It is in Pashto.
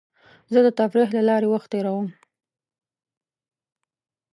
زه د تفریح له لارې وخت تېرووم.